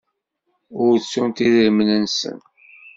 Ur ttunt idrimen-nsen.